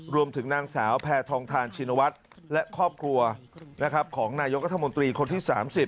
รวมถึงนางสาวแพทองทานชินวัฒน์และครอบครัวของนายกรัฐมนตรีคนที่๓๐